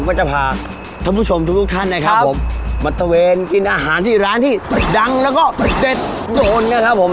ก็จะพาทุกท่านนะครับผมมาเทวนกินอาหารที่ร้านที่ดังและก็เจ็ดโดนนะครับผม